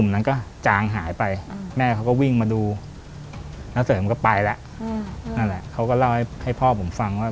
นั่นแหละเขาก็เล่าให้พ่อผมฟังว่า